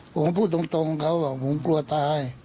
ผมก็พูดตรงเขาบอกผมกลัวตาย